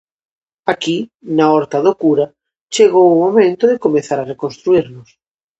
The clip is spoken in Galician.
Aquí, na Horta do Cura, chegou o momento de comezar a reconstruírnos.